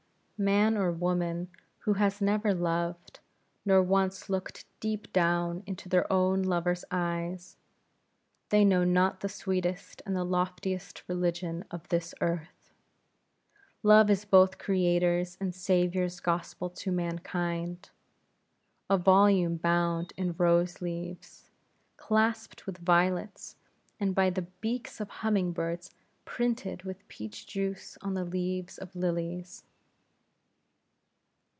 Man or woman who has never loved, nor once looked deep down into their own lover's eyes, they know not the sweetest and the loftiest religion of this earth. Love is both Creator's and Saviour's gospel to mankind; a volume bound in rose leaves, clasped with violets, and by the beaks of humming birds printed with peach juice on the leaves of lilies.